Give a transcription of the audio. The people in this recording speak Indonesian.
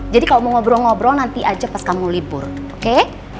jadi kalau mau ngobrol ngobrol nanti aja pas kamu libur oke